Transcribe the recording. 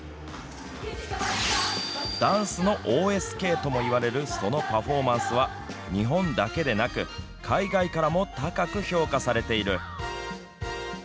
ダンスのＯＳＫとも言われるそのパフォーマンスは日本だけでなく海外からも高く評価されている。